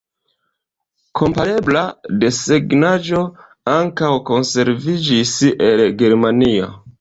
Komparebla desegnaĵo ankaŭ konserviĝis el Germanio.